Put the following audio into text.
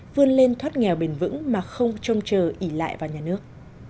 vươn lên thoát nghèo bền vững mà không trông chờ ỉ lại vào nhà nước